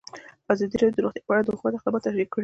ازادي راډیو د روغتیا په اړه د حکومت اقدامات تشریح کړي.